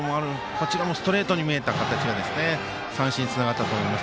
こちらもストレートに見えた形が三振につながったと思います。